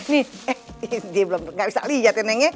nih eh dia belum gak bisa liat ya nengnya